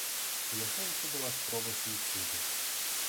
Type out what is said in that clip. У яго ўжо была спроба суіцыду.